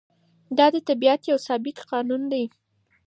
دا د طبیعت یو ثابت قانون دی.